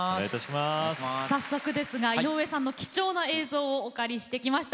早速ですが井上さんの貴重な映像をお借りしてきました。